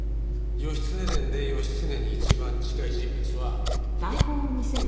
『義経伝』で義経に一番近い人物は。